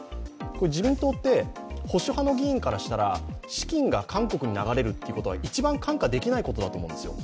自民党って保守派の議員からしたら資金が韓国に流れるってことは一番看過できないことだと思うんですよ。